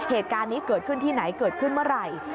เหตุการณ์นี้เกิดขึ้นที่ไหนเกิดขึ้นเมื่อไหร่